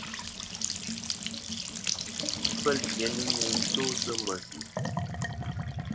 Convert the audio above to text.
Ifêl yèyn ì nɨn to sɨ mèsì.